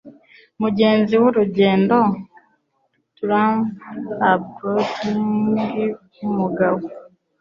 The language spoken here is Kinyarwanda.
mugenzi wurugendo "Tramp Abroad" wumugabo